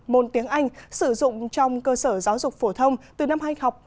môn tiếng anh sử dụng trong cơ sở giáo dục phổ thông từ năm hai nghìn hai mươi hai nghìn hai mươi một